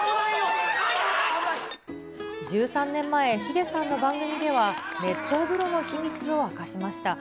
１３年前、ヒデさんの番組では熱湯風呂の秘密を明かしました。